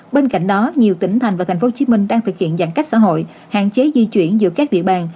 bên cạnh đó nhiều tỉnh thành và tp hcm đang thực hiện giãn cách xã hội hạn chế di chuyển giữa các địa bàn